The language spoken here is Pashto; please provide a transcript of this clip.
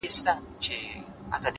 پوه انسان له هر چا څه زده کوي,